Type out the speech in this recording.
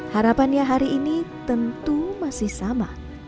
harapannya hari ini tentu masih sama